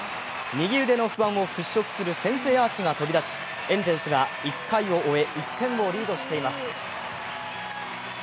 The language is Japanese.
右腕の不安を払拭する先制アーチが飛び出し、エンゼルスが１回を終え、１点をリードしています。